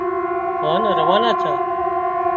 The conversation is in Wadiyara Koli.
هانَ روانا ڇا